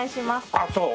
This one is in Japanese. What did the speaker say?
あっそう？